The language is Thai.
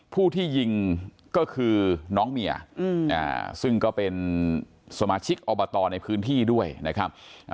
ผู้ที่ยิงก็คือน้องเมียซึ่งก็เป็นสมาชิกอบตในพื้นที่ด้วยนะครับ